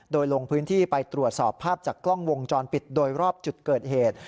โดยลงพื้นที่ไปตรวจสอบภาพจากกล้องวงจรปิดโดยรอบจุดเกิดเหตุ